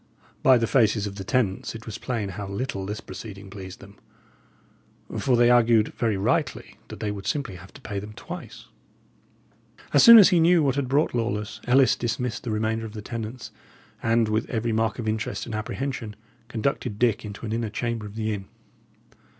By the faces of the tenants, it was plain how little this proceeding pleased them; for they argued very rightly that they would simply have to pay them twice. As soon as he knew what had brought Lawless, Ellis dismissed the remainder of the tenants, and, with every mark of interest and apprehension, conducted Dick into an inner chamber of the inn.